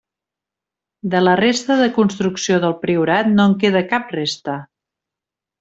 De la resta de construcció del priorat no en queda cap resta.